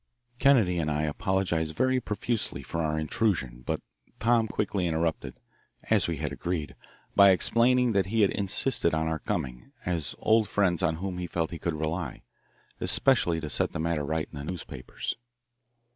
Kennedy and I apologised very profusely for our intrusion, but Tom quickly interrupted, as we had agreed, by explaining that he had insisted on our coming, as old friends on whom he felt he could rely, especially to set the matter right in the newspapers.